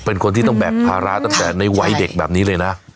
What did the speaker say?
เป็นคนที่ต้องแบกภาระตั้งแต่ในวัยเด็กแบบนี้เลยนะ